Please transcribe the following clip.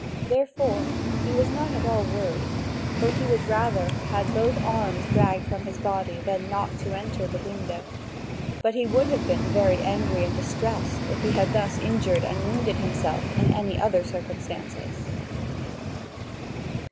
Therefore he was not at all worried, for he would rather have had both arms dragged from his body than not enter through the window. But he would have been very angry and distressed, if he had thus injured and wounded himself under any other circumstances.